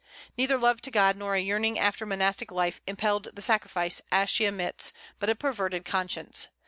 Neither love to God nor a yearning after monastic life impelled the sacrifice, as she admits, but a perverted conscience.